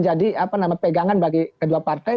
jadi harus kader kedua partai